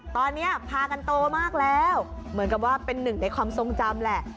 ตอนนี้พากันโตมากแล้วเหมือนกับว่าเป็นหนึ่งในความทรงจำแหละ